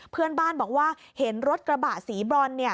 เพื่อนบ้านบอกว่าเห็นรถกระบะสีบรอน